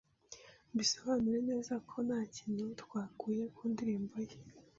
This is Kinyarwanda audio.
mbisobanure neza ko nta kintu twakuye ku ndirimbo ye,